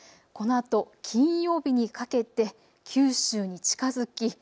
このあと金曜日にかけて九州に近づき